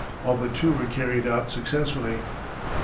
All but two were carried out successfully.